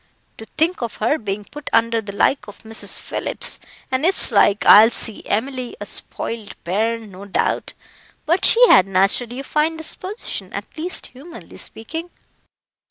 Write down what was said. To think of her being put under the like of Mrs. Phillips; and it's like I'll see Emily a spoiled bairn, no doubt but she had naturally a fine disposition, at least humanly speaking."